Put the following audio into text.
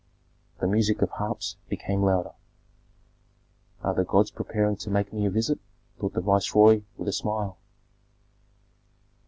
The music of harps became louder. "Are the gods preparing to make me a visit?" thought the viceroy, with a smile.